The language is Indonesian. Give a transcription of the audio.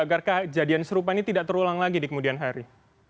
agarkah jadian serupa ini tidak terulang lagi di kemudian hari